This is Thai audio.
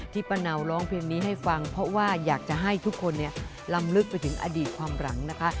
ป้าเนาร้องเพลงนี้ให้ฟังเพราะว่าอยากจะให้ทุกคนลำลึกไปถึงอดีตความหลังนะคะ